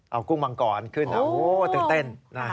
เอากุ้งมังกรขึ้นตื่นเต้น